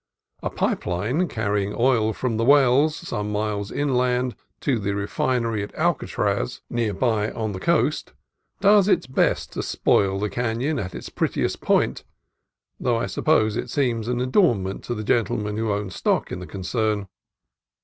A pipe line, carrying oil from the wells some miles inland to the refinery at Alcatraz, near by on the coast, does its best to spoil the canon at its prettiest point, though I suppose it seems an adornment to the gentlemen who own stock in the concern.